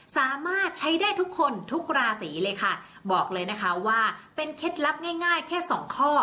สามารถใช้ได้ทุกคนทุกราศีเลยค่ะบอกเลยนะคะว่าเป็นเคล็ดลับง่ายง่ายแค่สองข้อ